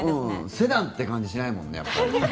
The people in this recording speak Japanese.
セダンって感じしないもんね。